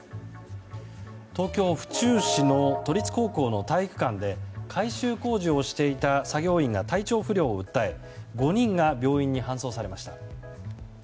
東京・府中市の都立高校の体育館で改修工事をしていた作業員が体調不良を訴え５人が病院に搬送されました。